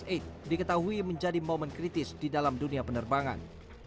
atau plus tiga minus delapan diketahui menjadi momen kritis di dalam dunia penerbangan